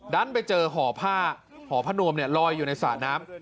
ดันไปเจอห่อผ้าห่อผ้านวมลอยอยู่ในสระน้ำ